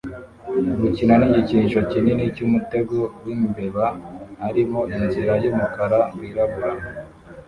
gukina nigikinisho kinini cyumutego wimbeba irimo inzira yumukara wirabura